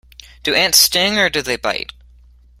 Do ants sting, or do they bite?